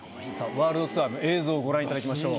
ワールドツアーの映像をご覧いただきましょう。